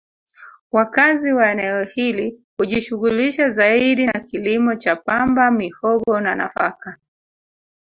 Wakazi wa eneo hili hujishughulisha zaidi na kilimo cha pamba mihogo na nafaka